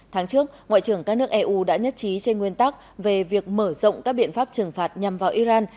tháng trước ngoại trưởng các nước eu đã nhất trí trên nguyên tắc về việc mở rộng các biện pháp trừng phạt nhằm vào iran